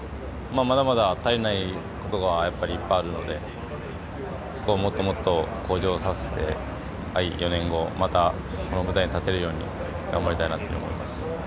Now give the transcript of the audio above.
まだまだ足りないことがいっぱいあるのでそこをもっともっと向上させて４年後、またこの舞台に立てるように頑張りたいと思います。